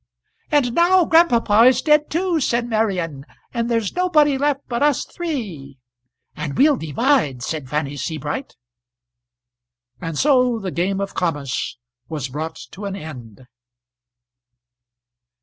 "And now grandpapa is dead too," said Marian, "and there's nobody left but us three." "And we'll divide," said Fanny Sebright; and so the game of commerce was brought to an end.